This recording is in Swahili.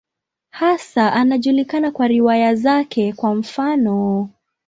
Hasa anajulikana kwa riwaya zake, kwa mfano.